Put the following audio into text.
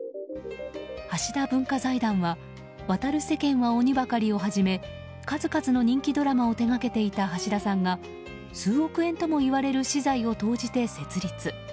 橋田文化財団は「渡る世間は鬼ばかり」をはじめ数々の人気ドラマを手掛けていた橋田さんが数億円ともいわれる私財を投じて設立。